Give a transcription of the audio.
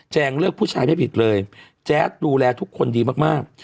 เลือกผู้ชายไม่ผิดเลยแจ๊ดดูแลทุกคนดีมาก